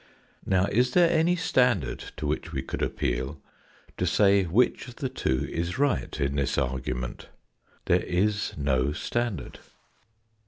Now, is there any standard to which we could appeal, to say which of the two is right in this argument ? There is no standard.